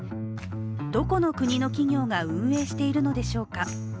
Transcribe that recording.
どこの国の企業が運営しているのでしょうか。